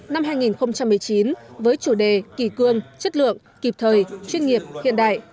năm hai nghìn một mươi chín với chủ đề kỳ cương chất lượng kịp thời chuyên nghiệp hiện đại